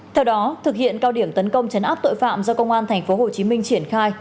theo đó thực hiện cao điểm tấn công chấn áp tội phạm do công an thành phố hồ chí minh triển khai